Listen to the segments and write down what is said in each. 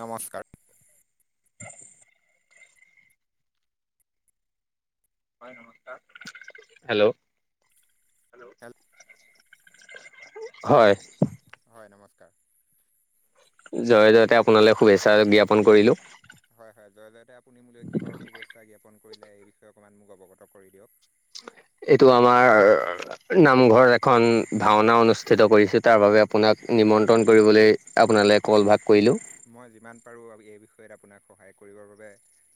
নমস্কাৰ। হয়, নমস্কাৰ। হেল্ল' হেলেপ হয়। হয়, নমস্কাৰ। জয় জয়তে আপোনালে শুভেচ্ছা জ্ঞাপন কৰিলোঁ। হয় হয় জয় জয়তে আপুনি মোলৈ কিহৰ শুভেচ্ছা জ্ঞাপন কৰিলে এই বিষয়ে অকণমান মোক অৱগত কৰি দিয়ক। এইটো আমাৰ নামঘৰ এখন ভাওনা অনুষ্ঠিত কৰিছোঁ, তাৰ বাবে আপোনাক নিমন্ত্ৰণ কৰিবলে আপোনালে কলভাগ মই যিমান বাৰু আমি এই বিষয়ত আপোনাক সহায় কৰিবৰ বাবে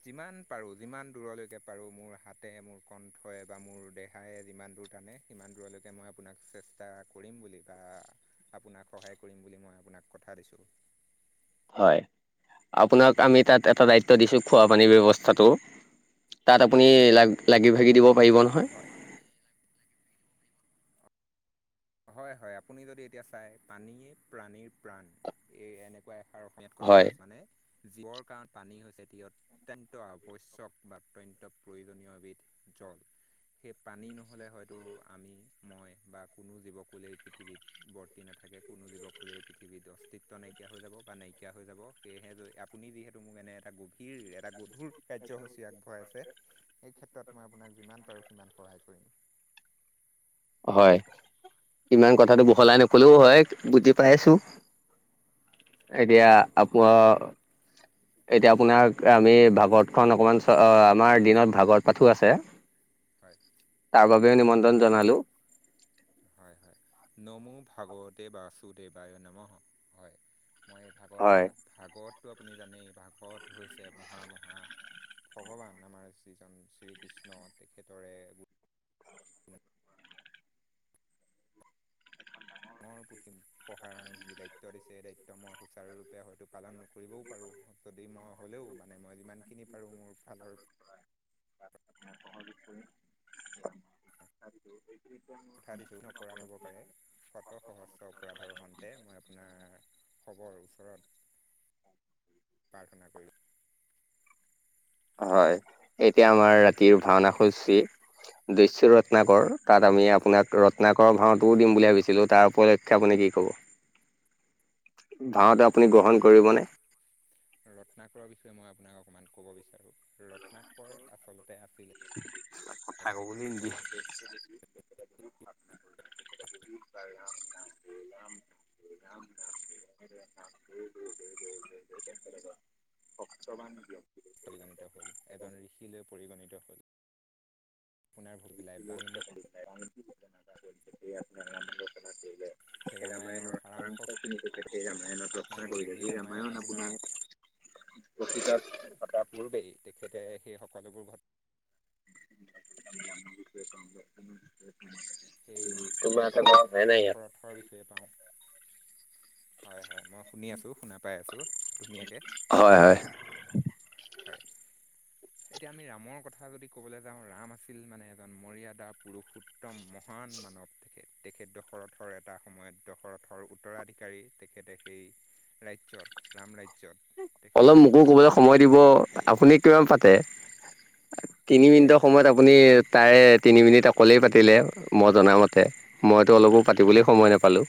যিমান পাৰোঁ। যিমান দূৰলৈকে পাৰোঁ, মোৰ হাতে মোৰ কণ্ঠই বা মোৰ দেহাই যিমান দূৰ টানে, সিমান দূৰলৈকে মই আপোনাক চেষ্টা কৰিম বুলি কিবা আপোনাক সহায় কৰিম বুলি, মই আপোনাক কথা দিছোঁ। হয়, আপোনাক আমি তাত এটা দায়িত্ব দিছোঁ, খোৱাপানী ব্যৱস্থাটো। তাত, আপুনি লাগ লাগি ভাগি দিব পাৰিব নহয়। হয় হয়, হয়। আপুনি যদি এতিয়া চাই পানীয়ে প্ৰাণীৰ প্ৰাণ এই এনেকুৱা এষাৰ অসমীয়াত কথা হয় আছানে? জীৱৰ কাৰণ পানী হৈছেটি অত্যন্ত আৱশ্যয়ক বা অত্যন্ত প্ৰয়োজনীয় এবিধ দৰ সেই পানী নহ'লে হয়তো আমি মই বা কোনো জীৱকুলেই পৃথিবীত বৰ্তি নাথাকে কোনো জীৱকুলেই পৃথিৱী অস্তিত্ব নাইকিয়া হৈ যাব বা নাই নাইকীয়া হৈ যাব। সেয়েহে লৈ আপুনি যিহেতু মোক এনে এটা গভীৰ এটা গোট ভুল কাৰ্যসূচী আগবঢ়াইছে। এই ক্ষেত্ৰত মই আপোনাক যিমান পাৰোঁ, সিমান সহায় কৰিম। হয়, ইমান কথাটো বহলাই নকলেও হয়, বুজি পাইছোঁ। [inaudible] এতিয়া, [unintelligible] এতিয়া আপোনাৰ আহ আমি ভাগৱতখন অকণমান আমাৰ দিনত ভাগৱত পাঠো আছে। হয়, তাৰ বাবেও নিমন্ত্ৰণ জনালোঁ। হয়, হয়, নমো ভগৱতে বাসুদেৱায় নমঃ হঃ। মই ভাগবত হয় ভাগ ভাগবতটো আপুনি জানেই ভাগৱত হৈছে মহা, মহা ভগৱান আমাৰ যিজন শ্ৰীকৃষ্ণ তেখেতৰে ৰূপ। [unintelligible] ডাঙৰ পুথি পঢ়াৰ মোক যি দায়িত্ব দিছে এই দায়িত্ব মই সুচাৰুৰূপে হয়তো পালন নকৰিবও পাৰোঁ। যদি মই হ'লেও মানে মই যিমানখিনি পাৰোঁ মোৰ ফালৰ [unintelligible] কথা দিছোঁ অপৰাধ হ'ব পাৰে, শত সহস্ৰ অপৰাধৰ হন্তে মই আপোনাৰ সৱৰ ওচৰত প্ৰাৰ্থনা কৰি হয় এতিয়া আমাৰ ৰাতিৰ ভাওনা হৈছি দস্যু ৰত্নাকৰ। ‌তাত আমি আপোনাক ৰত্নাকৰৰ ভাওঁটোও দিম বুলি ভাবিছিলোঁ। তাৰ উপলক্ষে আপুনি কি ক'ব? [inaudible] অ দক। এ আপোনাক ৰত্নাকৰৰ বিষয়ে মই আপোনাক অকণমান ক'ব বিচাৰো। ৰত্নাকৰ আচলতে আছ [unintelligible] না গোলাম [unintelligible] গৈ গৈ গৈ গৈ অফিচৰ পৰা নিদিয়ে। পৰিগণিত হ'ল এজন ঋষি লৈ পৰিগণিত হ'ল। আপোনাৰ হৈ পেলাই বাল্মিক ইয়াত আপোনাৰ মামে [unintelligible] ৰামায়ণৰ সাৰাংশখিনি সেই ৰামায়ণত ৰচনা কৰিলে সেই ৰামায়ণ আপোনাৰ তাৰ পূৰ্বেই তেখেতে সেই সকলোবোৰ ঘট [unintelligible] সেই তোমাৰ দশ এটা কৰা হোৱাই নাই ইয়াত দশৰথৰ বিষয়ে পাওঁ, হয়। হয় মই শুনি আছোঁ, শুনা পাই আছোঁ ধুনীয়াকে। হয় হয়। হয়। এতিয়া আমি ৰামৰ কথা যদি ক'বলৈ যাওঁ ৰাম আছিল মানে এজন মৰিয়াদা পুৰুষ‌ উত্তম মহ মহান মানৱ তেখেত। তেখেত দশৰথৰ এটা সময়ত দশৰথৰ উত্তৰাধিকাৰী তেখেতে সেই ৰাজ্য, ৰাম ৰাজ্য। অলপ মোকো ক'বলৈ সময় দিব। আপুনি কিমান পাতে? তিনি তেখেতে মিনিটৰ সময়ত আপুনি তাৰে তিনি মিনিট অকলেই পাতিলে মই জনামতে মইতো অলপো পাতিবলৈ সময় নাপালোঁ।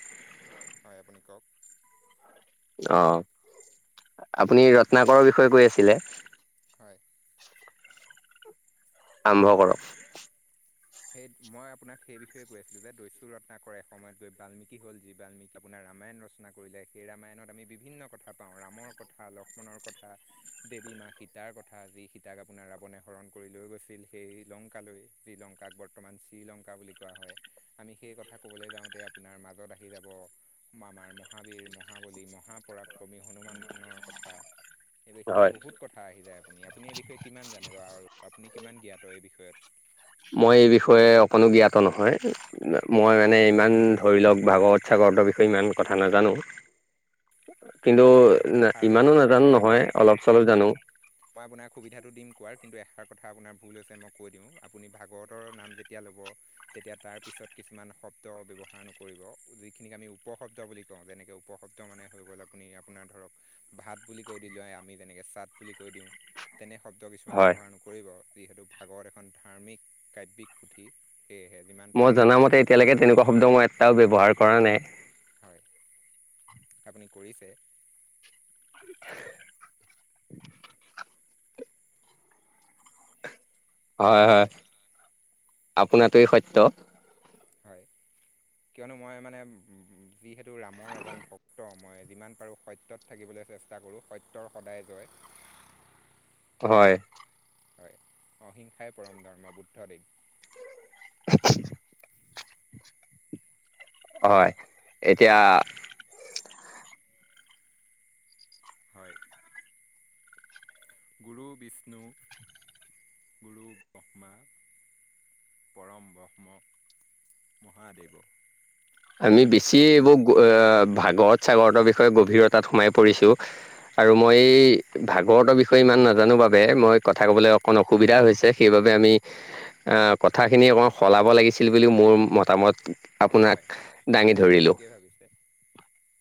হয় আপুনি কওক? অ, আপুনি ৰত্নাকৰৰ বিষয়ে কৈ আছিলে? হয়। আৰম্ভ কৰক। সেইত মই আপোনাক সেই বিষয়ে কৈ আছিলো যে দৈছু ৰত্নাকৰ এ সময়ত গৈ বাল্মিকী হ'ল যি বাল্মিকী আপোনাৰ ৰামায়ণ ৰচনা কৰিলে সেই ৰামায়ণত আমি বিভিন্ন কথা পাওঁ ৰামৰ কথা, লক্ষ্মণৰ কথা, দেৱ ৱী মা সীতাৰ কথা যি সীতাক আপোনাৰ ৰাৱণে হৰণ কৰি লৈ গৈছিল সেই লংকালৈ যি লং কাক বৰ্তমান শ্ৰীলংকা বুলি কোৱা হয় আমি সেই কথা ক'বলৈ যাওঁতে আপোনাৰ মাজত আহি যাব মামাৰ মহাবীৰ মহাবলী মহাপৰাক্ৰমী হনুমানৰ কথা [unintelligible] হয় এইখিনি বহুত কথা আহি যায় আপুনি-আপুনি এই বিষয়ে কিমান জানে বাৰু আৰু আপুনি কিমান জ্ঞাত এই বিষয়ত? মই এই বিষয়ে অকণো গীয়াত নহয়, মই মানে ইমান ধৰি লওক ভাগৱত-ছাগবত ভাগৱতৰ বিষয়ে ইমান কথা নাজানো। [inaudible] কিন্তু মই এষাৰ কথা ইমানো কৈ দিওঁ নাজানো হয় হয় নহয় অলপ চলপ জানো। মই আপোনাক সুবিধাটো দিম কোৱাৰ কিন্তু এষাৰ কথা আপোনাৰ ভুল হৈছে মই কৈ দিওঁ, আপুনি ভাগৱতৰ নাম যেতিয়া ল'ব। তেতিয়া তাৰ পিছত কিছুমান শব্দ ব্যৱহাৰ নকৰিব, যিখিনিক আমি উপশব্দ বুলি কওঁ যেনেকৈ উপশব্দ মানে হৈ গ'ল আপুনি আপোনাৰ ধৰক ভাত বুলি কৈ দিলে আমি যেনেকৈ চাট বুলি কৈ দিওঁ। তেনে শব্দ কিছুমান হয় ব্যৱহাৰ নকৰিব, যিহেতু ভাগৱত এখন ধাৰ্মিক কাব্যিক পুথি। সেয়েহে যিমান পাৰে মই ইয়াৰ জনামতে এতিয়ালৈকে তেনেকুৱা শব্দ মই এটাও ব্যৱহাৰ কৰা নাই। হয়', আপুনি কৰিছে। [inaudible] হয়', হয়', আপোনাটোৱে হয় সত্য। হয়', কিয়নো মই মানে, যিহেতু ৰামৰ এজন ভক্ত মই যিমান পাৰো সত্যত থাকিবলৈ। চেষ্টা কৰো সত্যৰ সদায় জয়। হয়', হয়', অহিংসাই পৰম ধৰ্ম-বুদ্ধ দেৱ। [inaudible] হয়', এতিয়া। হয়। গুৰু বিষ্ণু, গুৰু ব্ৰহ্মা। পৰম ব্ৰহ্ম, মহাদেৱ। আমি এইখিনি বাক্য বেছি আপুনি এইবোৰ ভাগৰত চাগৰতৰ বিষয়ে গভীৰত তাত সোমাই পৰিছোঁ, আৰু মই এই ভাগৱতৰ বিষয়ে ইমান নাজানো বাবে মই কথা ক'বলৈ অকণ অসুবিধা হৈছে সেইবাবে আমি, কথাখিনি অকণমান সলাব লাগিছিল বুলিও মোৰ মতামত। অ আপোনাক হয় হয়', দাঙি আপুনি ধৰিলোঁ। ঠিকেই ভাৱিছে,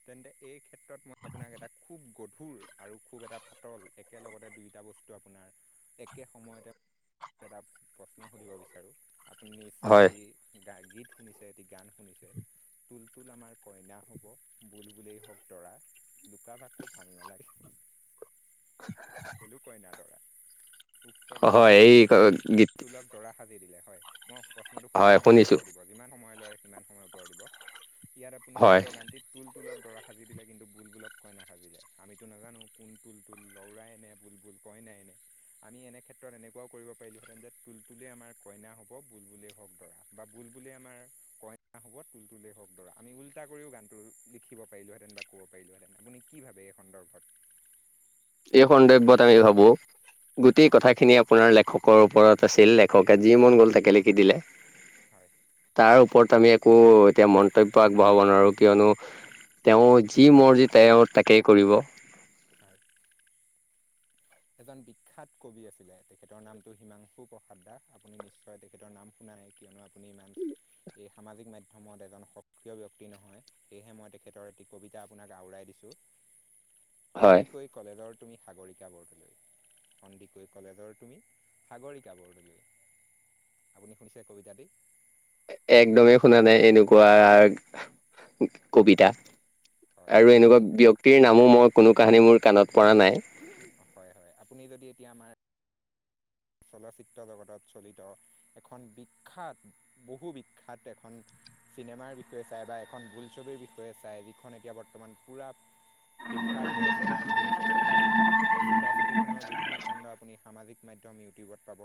তেন্তে এই ক্ষেত্ৰত মই আপোনাক এটা খুব গধুৰ, আৰু খুব এটা পাতল একেলগতে দুইটা বস্তু আপোনাৰ একে একেই সময়তে এটা প্ৰশ্ন সুধিব বিচাৰোঁ, আপুনি নিশ্চয় হয়। এটি গা গীত শুনিছে এটি গান শুনিছে, তুল তুল আমাৰ কইনা হ'ব বুল বুলেই হওক দৰা লোকা ভাকো ভাল নলাগে, খেলো কইনা দৰা। উক্ত গান্ধি হয় দ এই গীত হয়', মই প্ৰশ্নটো সুধি হয় যাওঁ আপুনি শুনিছোঁ উত্তৰ দিব যিমান সময় লয় সিমান সময় উত্তৰ দিব। ইয়াত আপুনি হয়। উক্ত গানটিত, তুল তুললক দৰা সাজি দিলে কিন্তু বুল বুলক কইনা সাজিলে আমিতো নাজানো কোন তুল-তুল লৰাই এ নে, বুলবুল কইনা এনে, আমি এনে ক্ষেত্ৰত এনে কৰিব পাৰিলোহেতেন যে তুল তুলে আমাৰ কইনা হ'ব, বুল বুলেই হওক দৰা বা বুল বুল আমাৰ কই হ'ব তুল তুলে হক দৰা আমি উল্টা কৰিও গানটো লিখিব পাৰিলো হেতেন বা' কব পাৰিলো হেতেন আপুনি কি ভাবে। আৰু সন্দৰ্ভত। এই সন্দৰ্ভ্যত আমি ভাবো গোটেই কথাখিনি আপোনাৰ লেখকৰ ওপৰত আছিল, লেখকে যি মন গ'ল তাকে লিখি দিলে। হয় তাৰ ওপৰত আমি একো এতিয়া মন্তব্য আগবঢ়াব নোৱাৰোঁ। কিয়নো তেওঁ যি মৰজি তেওঁ তাকেই কৰিব। [inaudible] এজন বিখ্যাত কবি আছিলে, তেখেতৰ নামটো হিমাংশু প্ৰসাদ দাস আপুনি নিশ্চয় তেখেতৰ নাম শুনা কিয়নো আপুনি ইমান এই সামাজিক মাধ্যমত এজন সক্ৰিয় ব্যক্তি নহয়, সেয়েহে মই তেখেতৰ এটি কবিতা আপোনাক আওৰাই দিছোঁ। টো হয়। সন্দিকৈ কলেজৰ তুমি সাগৰিকা বৰদলৈ। সন্দিকৈ কলেজৰ তুমি সাগৰিকা বৰদলৈ। আপুনি শুনিছে কবিতা তি? একদমেই শুনা নাই এনেকুৱা কবিতা। হয় আৰু তেন্তে এনেকুৱা আপুনি ব্যক্তিৰ নামো মই কোনো কাহানী মোৰ কাণত পৰা নাই। হয় হয়, আপুনি যদি এতিয়া আমাৰ চলচ্চিত্ৰ জগতত চলিত এখন বিখ্যাত বহু বিখ্যাত এখন চিনেমাৰ বিষয়ে চাই বা এখন বোলছবিৰ বিষয়ে চাই যিখন এতিয়া বৰ্তমান পুৰা বিখ্যাত হৈ আছে নামটো হৈছে চুপা-চুপি এই চুপ চুপাচুপীখনৰ যিখিনি খণ্ড আপুনি সামাজিক মাধ্যম ইউিউবত পাব।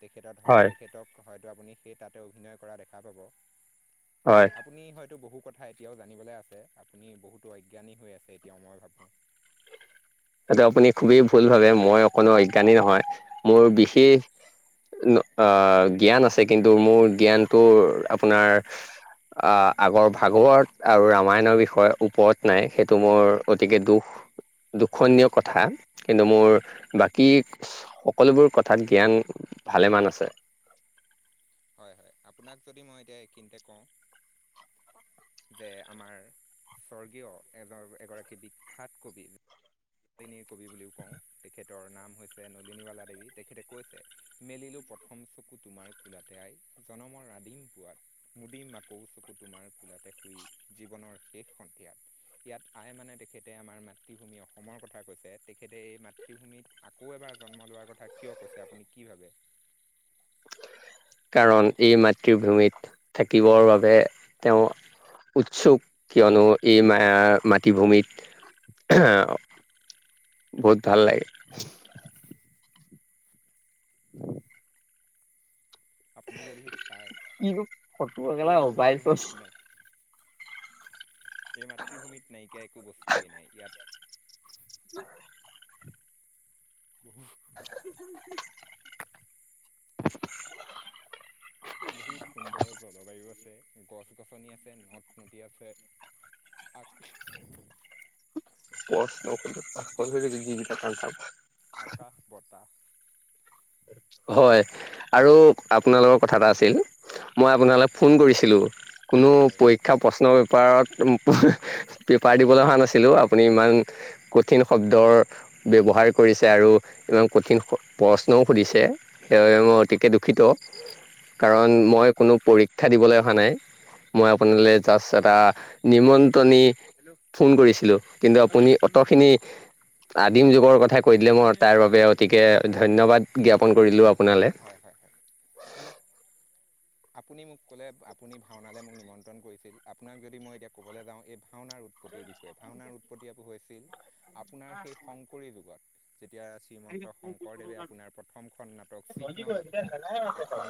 তেখেত ধৰ হয় তেখেতক হয়তো আপুনি সেই তাতে অভিনয় কৰা দেখা পাব। হয়। আপুনি হয়তো বহুত কথা এতিয়াও জানিবলৈ আছে আপুনি বহুতো অজ্ঞানী হৈ আছে এতিয়াও মই ভাবোঁ। এইটো আপুনি খুবেই ভুল ভাবে মই অকোনো অজ্ঞানী নহয়। মোৰ হয় বিশেষ অ, জ্ঞান আছে কিন্তু মোৰ জ্ঞানটো আপোনাৰ অ, আগৰ ভাগৱত আৰু ৰামায়ণৰ বিষয়ে ওপৰত নাই সেইটো মোৰ অতিকে দুখ। [unintelligible] হয় খণ্য হয় কথা কিন্তু মোৰ হয় বাকী সকলোবোৰ কথাত জ্ঞান ভালে ইমান আছে। হয় হয়, আপোনাক যদি মই এতিয়া এইখিনিতে কওঁ যে আমাৰ স্বৰ্গীয় এগৰ-এগৰাকী বিখ্যাত কবি [unintelligible] কবি বুলিও কওঁ তেখেতৰ নাম হৈছে নলিনীবালা দেৱী তেখেতে কৈছে মেলিলোঁ প্ৰথম চকু তোমাৰ কোলাতে আই। জনমৰ আদিম পোৱাত মুদিম মাকৌ চকু তোমাৰ কুলাতে শুই জীৱনৰ শেষ সন্ধিয়াত ইয়াত আই মানে তেখেতে আমাৰ মাতৃভূমি অসমৰ কথা কৈছে তেখেতে এই মাতৃভূমিত আকৌ এবাৰ জন্ম লোৱাৰ কথা কিয় কৈছে আপুনি কি ভাবে, কাৰণ এই মাতৃভূমিত থাকিবৰ বাবে তেওঁ উৎসুক, কিয়নো এই মাতৃভূমিত আ বহুত ভাল লাগে। [unintelligible] আপুনি যদি চাই কিনো ফটোগেলা এই মোবাইল ফোন মাতৃভূমিত নাই এই মাতৃভূমিত নাইকিয়া একো বস্তুৱেই নাই ইয়াত, [unintelligible] [inaudible] [unintelligible] বহুত সুন্দৰ জলবায়ু আছে, গছ গছনি আছে, নদ নদী আছে। আঠ প জীৱিকা ক্াব [inaudible] আকাশ বটা হয় আৰু আপোনালোকৰ কথা এটা আছিল। মই আপোনালৈ হয় ফোন কৰিছিলোঁ। কোনো হয় পৰীক্ষা প্ৰশ্ন পেপাৰত পেপাৰ দিবলৈ অহা নাছিলোঁ আপুনি ইমান কঠিন শব্দৰ ব্যৱহাৰ কৰিছে আৰু ইমান কঠিন ন সুধিছে তেওঁ হয় অতিকৈ দুঃখিত। কাৰণ মই কোনো পৰীক্ষা দিবলৈ অহা নাই মই হয় আপোনালৈ জাষ্ট এটা নিমন্ত্ৰণী ফোন কৰিছিলোঁ কিন্তু আপুনি অটো খিনি আদিম যুগৰ কথা কৈ দিলে মই তাৰ বাবে অতিকে ধন্যবাদ। জ্ঞাপন কৰিলো আপোনালৈ। হয় হয় হয় আপুনি মোক ক'লে আপুনি ভাওনালৈ মোক নিমন্ত্ৰণ কৰিছিল। আপোনাক যদি মই এতিয়া কবলৈ যাও এই ভাওনা উৎপত্তিৰ বিষয়ে ভাওনাৰ উৎপত্তি আ হৈছিল আপোনাৰ সেই শংকৰী যুগত যেতিয়া শ্ৰীমন্ত শংকৰদেৱে আপোনাৰ প্ৰথমখন নাটক চিহ্নযাত্ৰা, এখন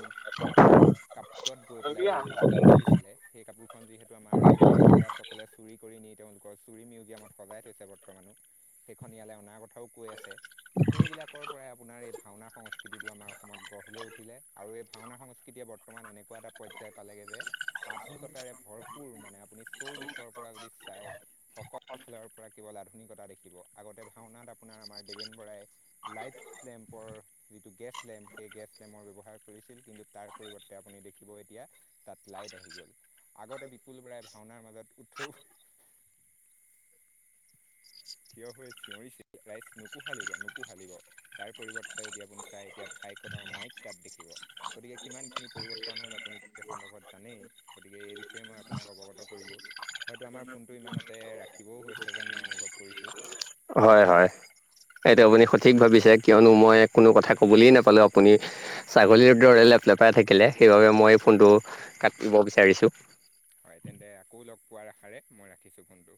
আপোনাৰ, কাপোৰত বৈ পেলাই ৰৈ ৰচিছিলে সেই কাপোৰখন যিহেতু আমাৰ সেই ইংৰাজসকলে চুৰি কৰি তেওঁলোকৰ চু মিউজিয়ামত সজাই থৈছে বৰ্তমানো সেইখন ইয়ালৈ অনত কথাও কৈ আছে সেইবিলাকৰ পৰাই আপোনাৰ এই ভাওনা সংস্কৃতিটো আমাৰ অসমত গঢ় উঠিলে আৰু এই ভাওনা সংস্কৃতিয়ে বৰ্তমান এনেকুৱা এটা পৰ্যায় পালেগৈ যে আধুনিকতাৰে ভৰপৰ মানে আপুনি চৌ দিশৰ পৰা যদি চাই সকলো ফালৰ পৰা কিবা আধুনিকতা দেখিব আগতে ভাওনাত আপোনাৰ আমাৰ দেৱেন বৰাই লাইট লেম্পৰ গেছ লেম্প সেই গেছ লেমৰ ব্যৱহাৰ কৰিছিল কিন্তু তাৰ পৰিৱৰ্তে আপুনি দেখিব এতিয়া তাত লাইট আহি গল আগতে বিপুল বৰাই ভাওনাৰ মাজত উঠো [unintelligible] থিয় হৈ চিঞৰিছিল ৰাই নোকো খালিব নোকো হালিব তাৰ পৰিৱৰ্তে যদি আপুনি চাই এতিয়া ভ মাইক দাত দেখিব। গতিকে কিমান খিনি পৰিবৰ্তন হ'ল আপুনি জানে এইেই বিষয়ে মই আপোনাক অৱগত কৰিলোঁ হয়তো আমাৰ ফোনটো ইমানতে ৰাখিবও হৈছে যেন মই অনুভৱ কৰোঁ হয় হয় সেইটো আপুনি সঠিক ভাবিছে কিয়নো মই কোনো কথা কবলৈ নাপালো আপুনি ছাগলীৰ দৰে ফ পৰা থাকিলে সেইবাবে মই ফোনটো কাটিব বিচাৰিছোঁ হয় তেন্তে আকৌ লগ পোৱাৰ আশাৰে মই ৰাখিছোঁ ফোনটো